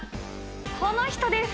この人です。